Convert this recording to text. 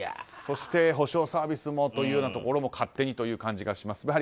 そして補償サービスもというのも勝手にという感じがします。